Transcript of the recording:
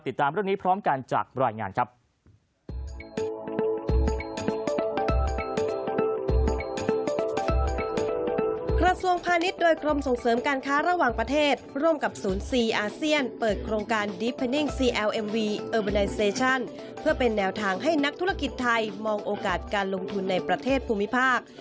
ติดตามเรื่องนี้พร้อมกันจากรายงานครับ